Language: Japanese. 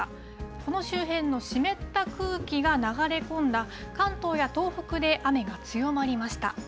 この周辺の湿った空気が流れ込んだ関東や東北で雨が強まりました。